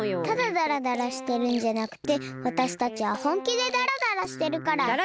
ただだらだらしてるんじゃなくてわたしたちはほんきでだらだらしてるから。